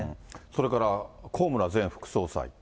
それから高村前副総裁。